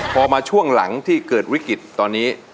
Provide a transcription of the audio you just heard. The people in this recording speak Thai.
พอมาช่วงหลังที่เกิดวิกฤตตอนนี้